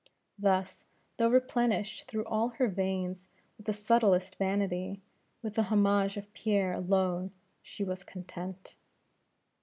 Thus, though replenished through all her veins with the subtlest vanity, with the homage of Pierre alone she was content.